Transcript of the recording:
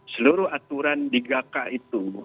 seluruh aturan tiga k itu